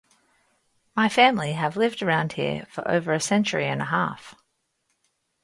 My family have lived around here for over a century and a half.